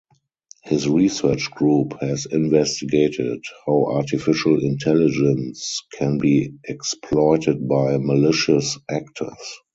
His research group has investigated how artificial intelligence can be exploited by malicious actors.